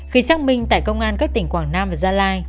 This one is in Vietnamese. khi xác minh tại công an các tỉnh quảng nam và gia lai